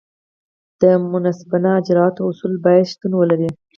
د منصفانه اجراآتو اصول باید شتون ولري.